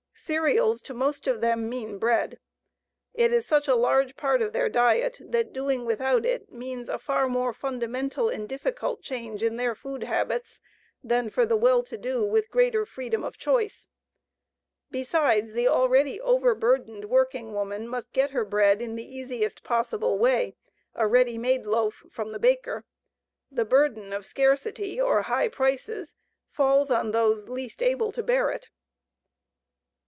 Cereals, to most of them, mean bread. It is such a large part of their diet that doing without it means a far more fundamental and difficult change in their food habits than for the well to do with greater freedom of choice. Besides, the already overburdened working woman must get her bread in the easiest possible way a ready made loaf from the baker. The burden of scarcity or high prices falls on those least able to bear it.